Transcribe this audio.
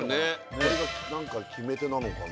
これが何か決め手なのかな